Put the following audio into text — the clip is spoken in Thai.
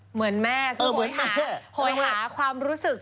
เหมือนแม่คือโหยหาความรู้สึก